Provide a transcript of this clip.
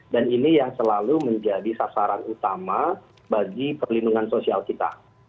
dan ini yang selalu menjadi sasaran utama bagi perlindungan sosial kita